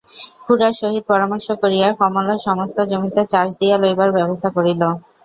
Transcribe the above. খুড়ার সহিত পরামর্শ করিয়া কমলা সমস্ত জমিতে চাষ দিয়া লইবার ব্যবস্থা করিল।